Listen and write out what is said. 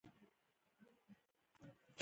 زګیروي به څنګه رسموي